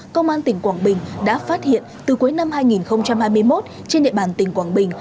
công an tỉnh quảng bình đã phát hiện từ cuối năm hai nghìn hai mươi một trên địa bàn tỉnh quảng bình